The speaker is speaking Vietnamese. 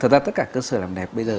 thật ra tất cả cơ sở làm đẹp bây giờ